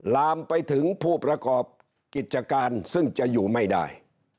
ลามไปถึงผู้ประกอบกิจการซึ่งจะอยู่ไม่ได้